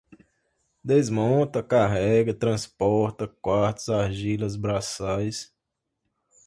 desmonta, carrega, transporta, quartzo, argilas, braçais